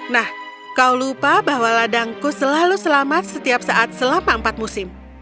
nah kau lupa bahwa ladangku selalu selamat setiap saat selama empat musim